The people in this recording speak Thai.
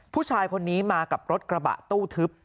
ผู้ชายคนนี้มากับรถกระบะตู้ทึบ